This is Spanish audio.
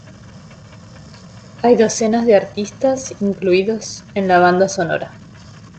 Hay docenas de artistas incluidos en la banda sonora.